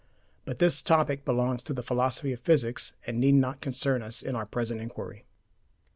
But this topic belongs to the philosophy of physics, and need not concern us in our present inquiry.